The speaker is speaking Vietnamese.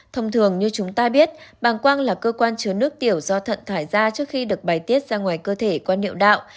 thông thường như chúng ta biết bàng quang là cơ quan chứa nước tiểu do thận thải ra trước khi được bài tiết ra ngoài cơ thể qua niệm đạo